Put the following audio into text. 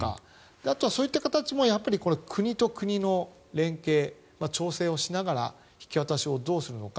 あとはそういった形も国と国の連携調整をしながら引き渡しをどうするのか。